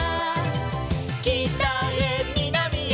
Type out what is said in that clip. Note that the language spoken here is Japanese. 「きたへみなみへ」